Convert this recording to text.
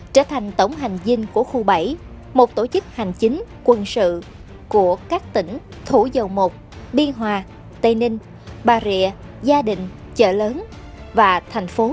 trở thành tổng hành dinh của khu bảy một tổ chức hành chính quân sự của các tỉnh thủ dầu i biên hòa tây ninh bà rịa gia định chợ lớn và thành phố sài gòn